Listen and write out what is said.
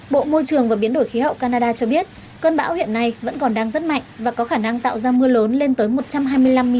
bộ môi trường và biến đổi khí hậu canada cho biết cơn bão hiện nay vẫn còn đang rất mạnh và có khả năng tạo ra mưa lớn lên tới một trăm hai mươi năm mm ở một số khu vực cho tới khi suy yếu hẳn